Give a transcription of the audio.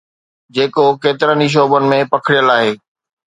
جيڪو ڪيترن ئي شعبن ۾ پکڙيل آهي.